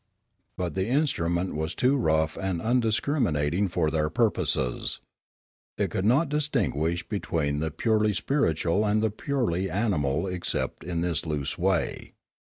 But the instrument was too rough and undiscriminat ing for their purposes. It could not distinguish be tween the purely spiritual and the purely animal except in this loose way.